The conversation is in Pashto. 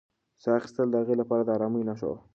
ساه اخیستل د هغې لپاره د ارامۍ نښه وه.